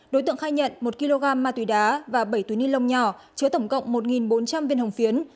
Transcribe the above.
đối tượng khai nhận một kg ma túy đá và bảy túi ni lông nhỏ chứa tổng cộng một bốn trăm linh viên hồng phiến